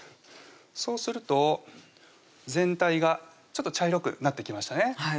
そうすると全体がちょっと茶色くなってきましたね